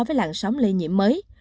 với làn sóng lây nhiễm mới